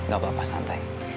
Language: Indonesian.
gak apa apa santai